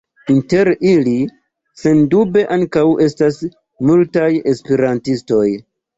Inter ili sendube ankaŭ estas multaj esperantistoj.